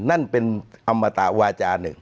นั้นเป็นอามุตาวาจารึก